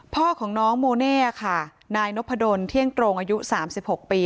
พ่อของน้องโมเน่ค่ะนายนพดลเที่ยงตรงอายุ๓๖ปี